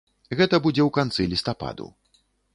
Гэта будзе ў канцы лістападу.